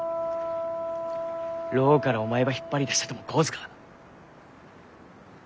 牢からお前ば引っ張り出したとも神頭か。